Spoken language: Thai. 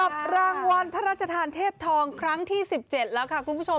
กับรางวัลพระราชทานเทพทองครั้งที่๑๗แล้วค่ะคุณผู้ชม